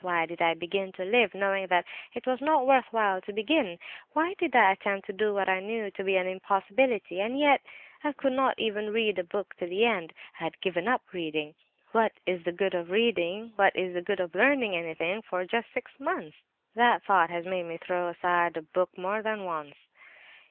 Why did I begin to live, knowing that it was not worthwhile to begin? Why did I attempt to do what I knew to be an impossibility? And yet I could not even read a book to the end; I had given up reading. What is the good of reading, what is the good of learning anything, for just six months? That thought has made me throw aside a book more than once.